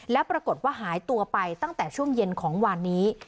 และปรากฏว่าหายตัวไปตั้งแต่ช่วงเย็นของวานนี้